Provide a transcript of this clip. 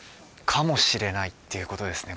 かもしれないっていうことですね